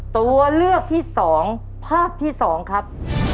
ตัวเลือกที่สองภาพที่สองครับ